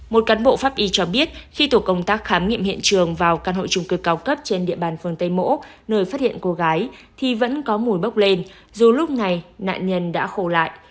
một cán bộ pháp y cho biết khi tổ công tác khám nghiệm hiện trường vào căn hộ trung cư cao cấp trên địa bàn phương tây mỗ nơi phát hiện cô gái thì vẫn có mùi bốc lên dù lúc này nạn nhân đã khổ lại